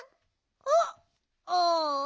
あっああ。